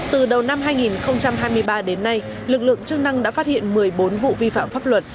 từ đầu năm hai nghìn hai mươi ba đến nay lực lượng chức năng đã phát hiện một mươi bốn vụ vi phạm pháp luật